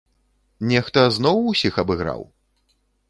Нехта зноў усіх абыграў?